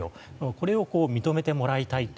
これを認めてもらいたい。